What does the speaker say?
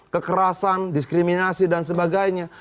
kekerasan diskriminasi dan sebagainya